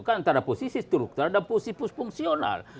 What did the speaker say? bukan ada posisi struktural dan posisi fungsional